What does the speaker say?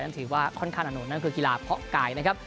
ถือว่าค่อนข้างอนนั่นคือกีฬาเพาะกายนะครับ